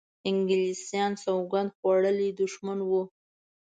انګلیسیانو سوګند خوړولی دښمن وو.